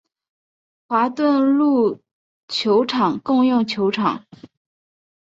华顿路球场共用球场。